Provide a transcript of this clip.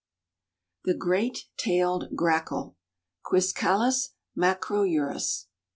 THE GREAT TAILED GRACKLE. (_Quiscalus macrourus.